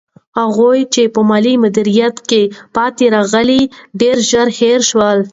هغوی چې په مالي مدیریت کې پاتې راغلل، ډېر ژر هېر شول.